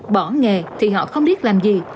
bỏ nghề thì họ không biết làm gì